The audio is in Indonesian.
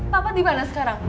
papa dimana sekarang